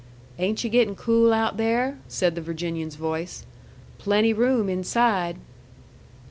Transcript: "Ain't yu' getting cool out there?" said the Virginian's voice. "Plenty room inside."